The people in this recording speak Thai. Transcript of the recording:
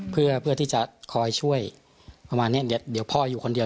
เพื่อเพื่อที่จะคอยช่วยประมาณเนี้ยเดี๋ยวพ่ออยู่คนเดียว